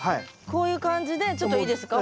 こういう感じでちょっといいですか？